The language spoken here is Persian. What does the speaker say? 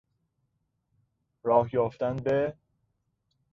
راه یافتن به...